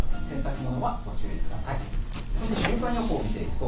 洗濯物はご注意ください。